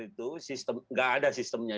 itu sistem nggak ada sistemnya